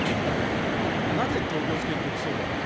なぜ、東京地検特捜部はね